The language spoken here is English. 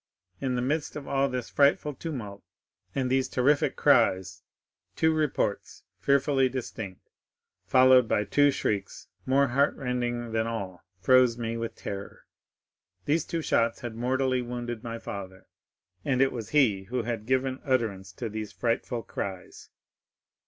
In the midst of all this frightful tumult and these terrific cries, two reports, fearfully distinct, followed by two shrieks more heartrending than all, froze me with terror. These two shots had mortally wounded my father, and it was he who had given utterance to these frightful cries.